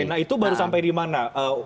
nah itu baru sampai di mana